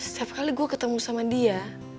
setiap kali gue ketemu sama dia